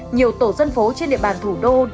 nhiều tổ dân phố trên địa bàn thủ đô